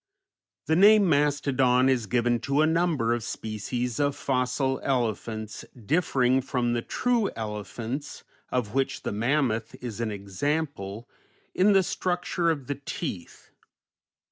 _" The name mastodon is given to a number of species of fossil elephants differing from the true elephants, of which the mammoth is an example, in the structure of the teeth.